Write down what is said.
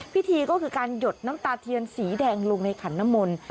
พิธีก็คือการหยดน้ำตาเทียนสีแดงลงในขันน้ำมนต์